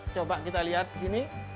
coba kita lihat di sini